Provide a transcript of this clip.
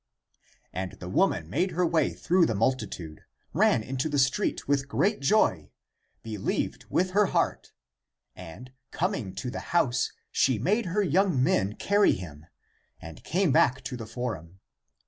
And the woman made her way through the multitude, ran into the street with great joy, believed with her heart, and, coming to the house, she made her young men carry him, and came back to the forum.